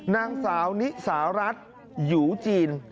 นั่งสาวนิสารัสอยู่จีน